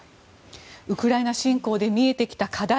ウクライナ侵攻で見えてきた課題